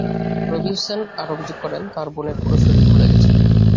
রবি হোসেন আরও অভিযোগ করেন, তাঁর বোনের পুরো শরীর ফুলে গেছে।